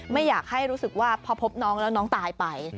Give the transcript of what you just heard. ไม่อยากให้รู้สึกว่าพอพบน้องแล้วน้องตายไป